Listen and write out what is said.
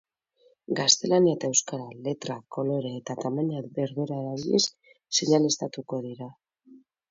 Gaztelania eta euskara letra, kolore eta tamaina berbera erabiliz seinaleztatuko dira.